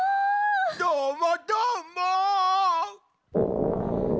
どーもどーも！